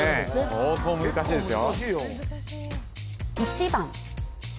相当難しいですよ